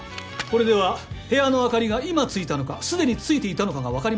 これでは部屋の明かりが今ついたのかすでについていたのかが分かりません。